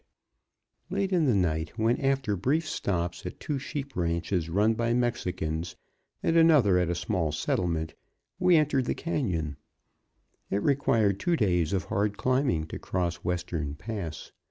It was late in the night, when, after brief stops at two sheep ranches run by Mexicans, and another at a small settlement, we entered the canyon. It required two days of hard climbing to cross Western Pass.